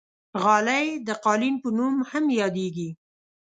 غالۍ د قالین په نوم هم یادېږي.